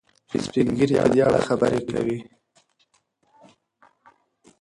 سپین ږیري په دې اړه خبرې کوي.